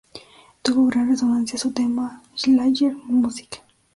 Tuvo gran resonancia su tema schlager "Musik!